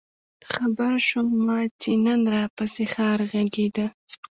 خبـــــر شومه چې نن راپســـې ښار غـــــږېده؟